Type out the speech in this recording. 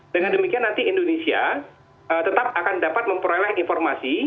dengan demikian nanti indonesia tetap akan dapat memperoleh informasi